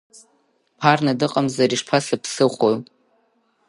Ԥарна дыҟамзар ишԥасыԥсыхәоу?